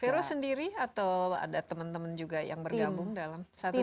vero sendiri atau ada teman teman juga yang bergabung dalam